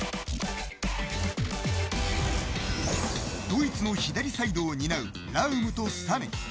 ドイツの左サイドを担うラウムとサネ。